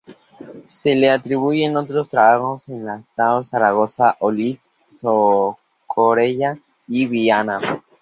Se le atribuyen otros trabajos en la Seo de Zaragoza, Olite, Corella y Viana.